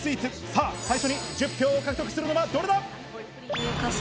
さぁ最初に１０票を獲得するのはどれだ？